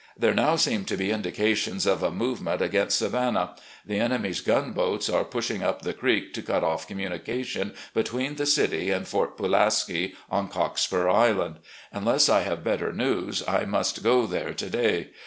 There now seem to be indications of a movement against Savannah. The enemy's gunboats are pushing up the creek to cut off communication between the city and Fort Pulaski on Cockspur Island. Unless I have better news, I most go there to day.